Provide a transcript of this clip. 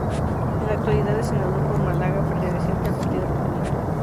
En la actualidad es senador por Málaga, perteneciente al Partido Popular.